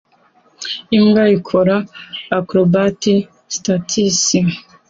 Imbwa ikora acrobatic stunts